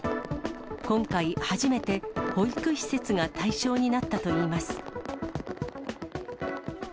今回、初めて保育施設が対象になったといいます。